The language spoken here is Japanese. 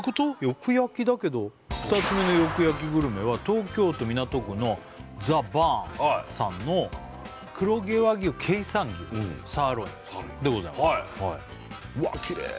よく焼きだけど２つ目のよく焼きグルメは東京都港区のＴｈｅＢｕｒｎさんの黒毛和牛経産牛サーロインでございますうわきれい